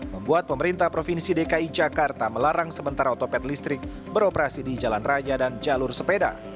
membuat pemerintah provinsi dki jakarta melarang sementara otopet listrik beroperasi di jalan raya dan jalur sepeda